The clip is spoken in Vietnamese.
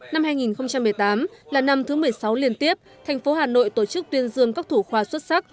năm hai nghìn một mươi tám là năm thứ một mươi sáu liên tiếp thành phố hà nội tổ chức tuyên dương các thủ khoa xuất sắc